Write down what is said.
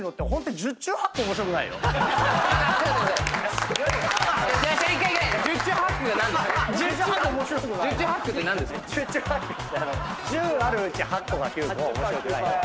１０あるうち８個か９個面白くないよって。